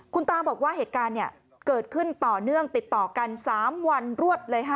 คุณตาบอกว่าเหตุการณ์เกิดขึ้นต่อเนื่องติดต่อกัน๓วันรวดเลยค่ะ